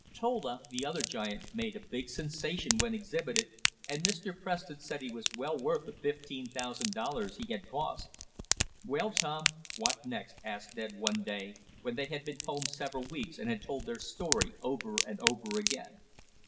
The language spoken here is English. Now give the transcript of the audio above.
Tola, the other giant, made a big sensation when exhibited, and Mr. Preston said he was well worth the fifteen thousand dollars he had cost. "Well, Tom, what next?" asked Ned one day, when they had been home several weeks and had told their story over and over again.